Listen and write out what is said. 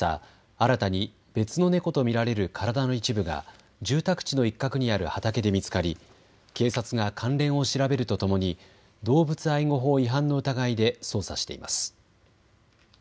新たに別の猫と見られる体の一部が住宅地の一角にある畑で見つかり警察が関連を調べるとともに動物愛護法違反の疑いで捜査しています。